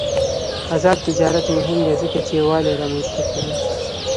آزاد تجارت مهم دی ځکه چې یووالي رامنځته کوي.